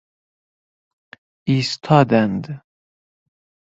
ایستاند